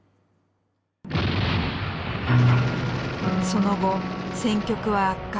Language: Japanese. その後戦局は悪化。